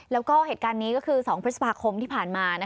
แล้วก็เหตุการณ์นี้ก็คือ๒พฤษภาคมที่ผ่านมา